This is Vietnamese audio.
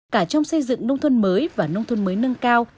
cả trong xây dựng nông thôn mới và nông thôn mới nâng cao